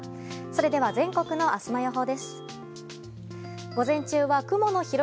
それでは、全国の明日の予報です。